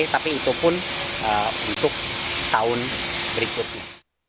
tapi itu pun untuk tahun berikutnya